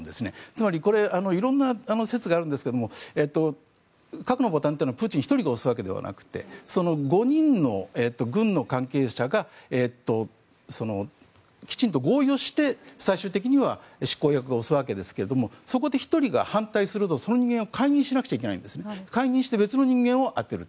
つまり、色んな説があるんですが核のボタンはプーチン１人が押すわけではなくて５人の軍の関係者がきちんと合意をして最終的には執行役が押すわけですがそこで１人が反対するとその人間を解任しなくてはいけないんですね。解任して別の人間を充てる。